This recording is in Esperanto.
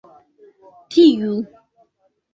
Tiu!